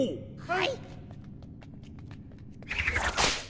はい！